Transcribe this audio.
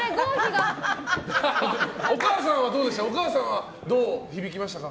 お母さんはどう響きましたか？